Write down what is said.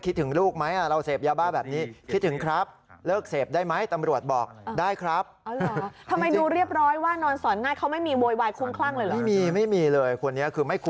คุณครับตามเขาทั้งนั้นเลยนะ